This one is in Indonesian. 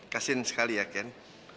kasian sekali ya ken